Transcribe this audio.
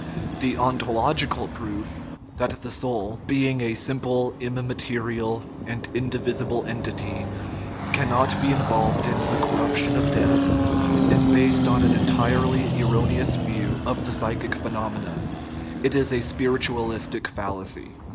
The ontological proof that the soul, being a " simple, immaterial, and indivisible entity," cannot be involved in the corruption of death is based on an entirely erroneous view of the psychic phenom ena; it is a spiritualistic fallacy.